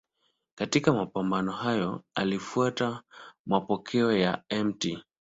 Katika mapambano hayo alifuata mapokeo ya Mt.